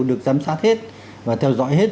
được giám sát hết và theo dõi hết